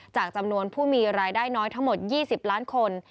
จำนวนผู้มีรายได้น้อยทั้งหมด๒๐ล้านคน